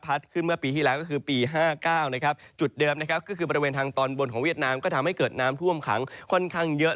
ขึ้นเมื่อปีที่แล้วก็คือปี๕๙นะครับจุดเดิมนะครับก็คือบริเวณทางตอนบนของเวียดนามก็ทำให้เกิดน้ำท่วมขังค่อนข้างเยอะ